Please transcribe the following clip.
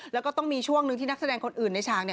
แล้วก็ต้องมีช่วงหนึ่งที่นักแสดงคนอื่นในฉาก